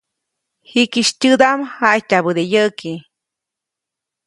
Jikisy tyädaʼm jaʼityabäde yäʼki.